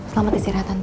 selamat istirahat tante